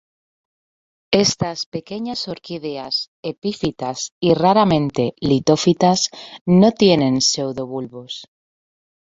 Estas pequeñas orquídeas epífitas y raramente litófitas no tienen pseudobulbos.